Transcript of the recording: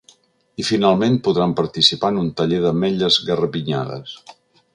I finalment podran participar en un taller d’ametlles garapinyades.